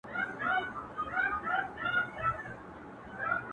زه دي د ژوند اسمان ته پورته کړم! ه ياره!